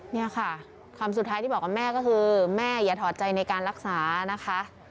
นี่ค่ะคำสุดท้ายที่บอกกับแม่ก็คือแม่อย่าถอดใจในการรักษานะคะ